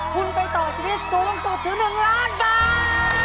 คุณไปต่อชีวิตสูงสุดถึง๑ล้านบาท